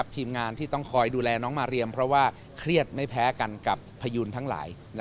ทีมงานที่ต้องคอยดูแลน้องมาเรียมเพราะว่าเครียดไม่แพ้กันกับพยูนทั้งหลาย